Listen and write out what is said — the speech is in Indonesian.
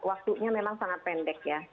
waktunya memang sangat pendek ya